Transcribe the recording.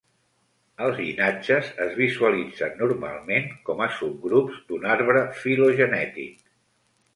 Els llinatges es visualitzen normalment com a subgrups d'un arbre filogenètic.